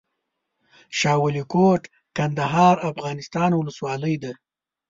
شاه ولي کوټ، کندهار افغانستان ولسوالۍ ده